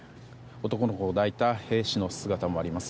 男の子を抱いた兵士の姿もあります。